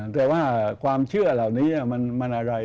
แต่ว่าความเชื่อเหล่านี้มันอะไร